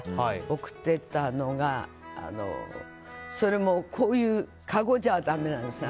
贈っていたのがそれも、こういうかごじゃだめなんですね。